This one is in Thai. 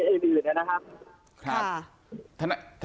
ทำรายละเอียดเกี่ยวกับคดีอื่นนะครับ